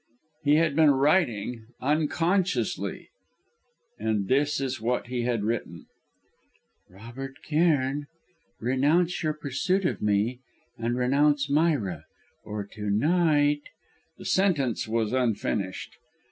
He had been writing unconsciously! And this was what he had written: "Robert Cairn renounce your pursuit of me, and renounce Myra; or to night " The sentence was unfinished.